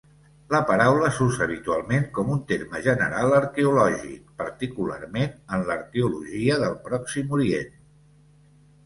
La paraula s'usa habitualment com un terme general arqueològic, particularment en l'arqueologia del Pròxim Orient.